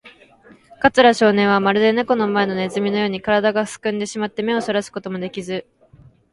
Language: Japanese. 桂少年は、まるでネコの前のネズミのように、からだがすくんでしまって、目をそらすこともできず、